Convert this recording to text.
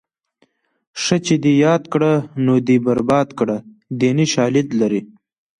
ښه چې دې یاد کړه نو دې برباد کړه دیني شالید لري